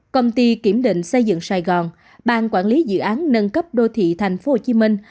công ty kiểm định xây dựng sài gòn ban quản lý dự án nâng cấp đô thị thành phố hồ chí minh